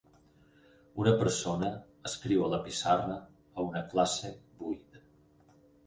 Una persona escriu a la pissarra a una classe buida.